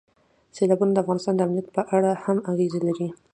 سیلابونه د افغانستان د امنیت په اړه هم اغېز لري.